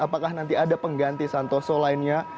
apakah nanti ada pengganti santoso lainnya